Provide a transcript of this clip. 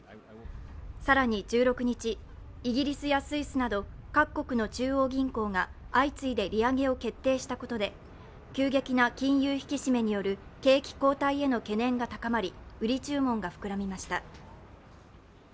更に１６日、イギリスやスイスなど各国の中央銀行が相次いで利上げを決定したことで急激な金融引き締めによる景気後退への懸念が高まり、売り注文が膨らみました。